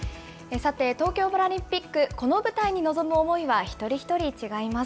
さて東京パラリンピック、この舞台に臨む思いは一人一人違います。